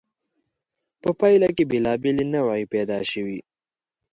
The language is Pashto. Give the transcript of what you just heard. په پایله کې بېلابېلې نوعې پیدا شوې.